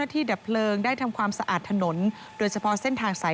สวัสดีคุณผู้ชายสวัสดีคุณผู้ชายสวัสดี